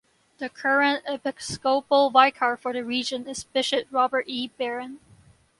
The current Episcopal Vicar for the region is Bishop Robert E. Barron.